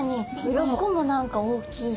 鱗も何か大きいし。